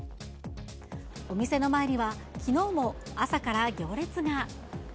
お店の前にはきのうも朝から行列が。